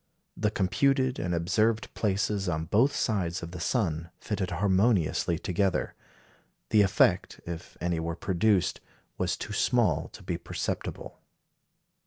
The computed and observed places on both sides of the sun fitted harmoniously together. The effect, if any were produced, was too small to be perceptible.